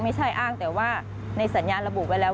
ไม่ใช่อ้างแต่ว่าในสัญญาณระบุไว้แล้ว